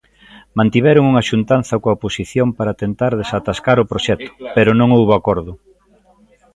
Mantiveron unha xuntanza coa oposición para tentar desatascar o proxecto, pero non houbo acordo.